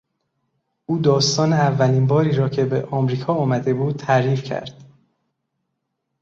او داستان اولین باری را که به آمریکا آمده بود تعریف کرد.